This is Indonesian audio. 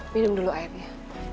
minum dulu airnya